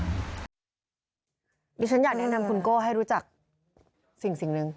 ดิฉันอยากแนะนำคุณโก้ให้รู้จักสิ่งหนึ่ง